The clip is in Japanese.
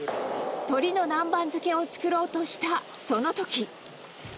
鶏の南蛮漬けを作ろうとしたそのとき。